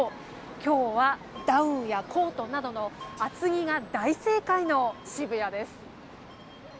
今日はダウンやコートなどの厚着が大正解の渋谷です。